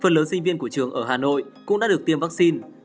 phần lớn sinh viên của trường ở hà nội cũng đã được tiêm vaccine